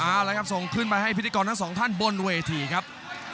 เอาละครับส่งขึ้นไปให้พิธีกรทั้งสองท่านบนเวทีครับ